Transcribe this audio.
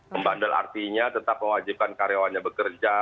membandel artinya tetap mewajibkan karyawannya bekerja